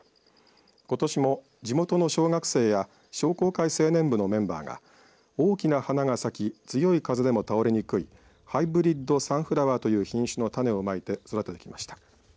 ことしも地元の小学生や商工会青年部のメンバーが大きな花が咲き強い風でも倒れにくいハイブリッドサンフラワーという品種の種をまいて育ててきました。